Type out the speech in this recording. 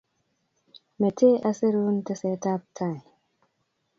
Mete asirun teset ab tai